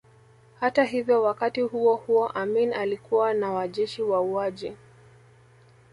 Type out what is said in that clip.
Hata hivyo wakati huo huo Amin alikuwa na wajeshi wauaji